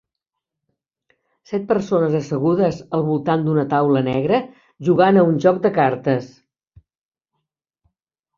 Set persones assegudes al voltant d'una taula negra jugant a un joc de cartes